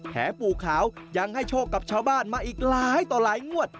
ปู่ขาวยังให้โชคกับชาวบ้านมาอีกหลายต่อหลายงวด